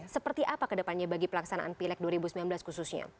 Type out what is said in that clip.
seperti apa ke depannya bagi pelaksanaan pilek dua ribu sembilan belas khususnya